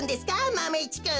マメ１くん。